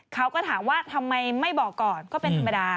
เขาก็ถามว่าทำไมไม่บอกก่อนก็เป็นธรรมดา